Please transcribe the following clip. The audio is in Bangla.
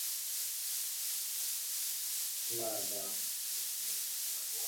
কাজেই আবার আজ সন্ধ্যার পরে খুড়ার বাড়িতেই আশ্রয় লইতে হইল।